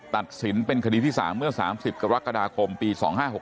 ตัดสินเป็นคดีที่๓เมื่อ๓๐กรกฎาคมปี๒๕๖๖